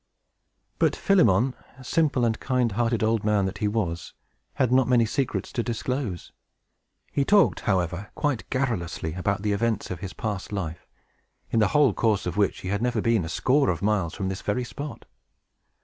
But Philemon, simple and kind hearted old man that he was, had not many secrets to disclose. He talked, however, quite garrulously, about the events of his past life, in the whole course of which he had never been a score of miles from this very spot.